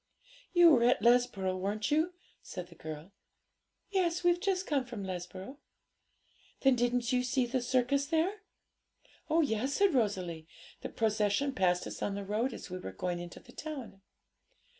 'You were at Lesborough, weren't you?' said the girl. 'Yes; we've just come from Lesborough.' 'Then didn't you see the circus there?' 'Oh yes,' said Rosalie; 'the procession passed us on the road as we were going into the town.'